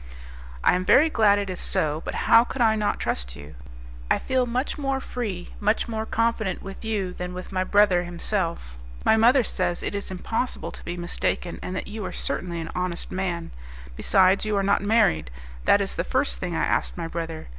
"I am very glad it is so; but how could I not trust you? I feel much more free, much more confident with you than with my brother himself. My mother says it is impossible to be mistaken, and that you are certainly an honest man. Besides, you are not married; that is the first thing I asked my brother.